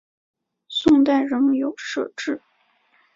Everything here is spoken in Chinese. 宋代仍有设置。